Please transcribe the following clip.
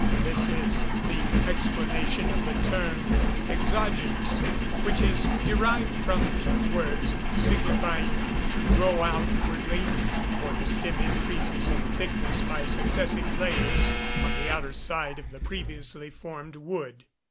This is the explanation of the term exogenous, which is derived from two words signifying to grow outwardly, for the stem increases in thickness by successive layers on the outer side of the previously formed wood.